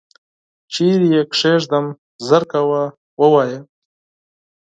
چیري یې کښېږدم ؟ ژر کوه ووایه !